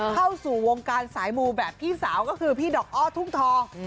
เข้าสู่วงการสายมูแบบพี่สาวก็คือพี่ดอกอ้อทุ่งทอง